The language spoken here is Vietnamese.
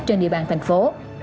trên địa bàn thành phố